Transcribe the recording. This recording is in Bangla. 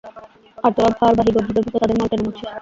আর তোরা ভারবাহী গর্দভের মত তাদের মাল টেনে মরছিস।